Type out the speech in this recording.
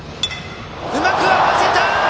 うまく合わせた！